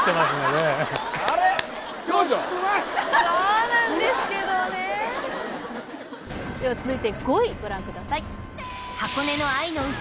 では続いて５位ご覧ください